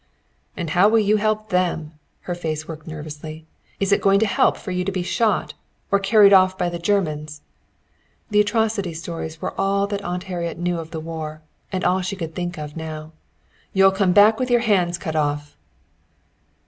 "And how will you help them?" Her face worked nervously. "Is it going to help for you to be shot? Or carried off by the Germans?" The atrocity stories were all that Aunt Harriet knew of the war, and all she could think of now. "You'll come back with your hands cut off."